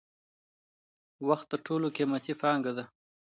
وخت تر ټولو قیمتی پانګه ده.